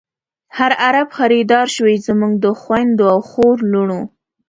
هر عرب خریدار شوۍ، زمونږ د خوندو او خور لڼو